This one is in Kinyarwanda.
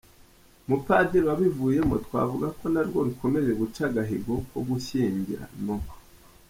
mupadiri wabivuyemo, twavuga ko narwo rukomeje guca agahigo ko gushyingira no.